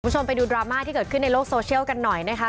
คุณผู้ชมไปดูดราม่าที่เกิดขึ้นในโลกโซเชียลกันหน่อยนะคะ